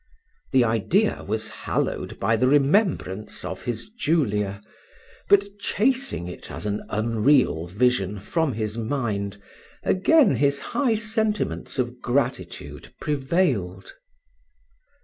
The idea was hallowed by the remembrance of his Julia; but chasing it, as an unreal vision, from his mind, again his high sentiments of gratitude prevailed.